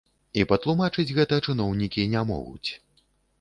І патлумачыць гэта чыноўнікі не могуць.